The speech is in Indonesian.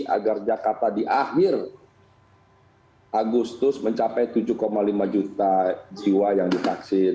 agar jakarta di akhir agustus mencapai tujuh lima juta jiwa yang divaksin